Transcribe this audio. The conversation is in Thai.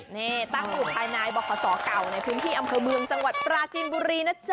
นี่ตั้งอยู่ภายในบขเก่าในพื้นที่อำเภอเมืองจังหวัดปราจีนบุรีนะจ๊